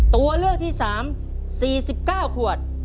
ตัวเลือกที่สามสี่สิบเก้าขวด